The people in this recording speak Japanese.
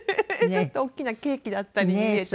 ちょっと大きなケーキだったりに見えたり。